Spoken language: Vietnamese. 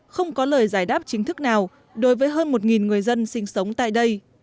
không có lời giải đáp chính thức nào đối với hơn một người dân sinh sống tại đây